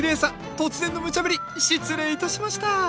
突然のムチャぶり失礼いたしました。